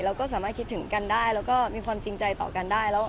เราก็สามารถคิดถึงกันได้แล้วก็มีความจริงใจต่อกันได้